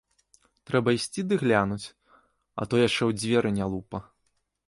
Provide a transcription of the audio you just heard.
Трэба ісці ды глянуць, а то яшчэ ў дзверы не лупа.